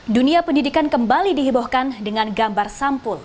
dunia pendidikan kembali dihebohkan dengan gambar sampul